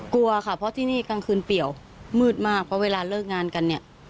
กลัวค่ะเพราะที่นี่กลางคืนเปี่ยวมืดมากเพราะเวลาเลิกงานกันเนี่ย